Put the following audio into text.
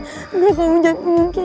enggak kamu jangan menggigit ibu